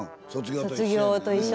卒業と一緒。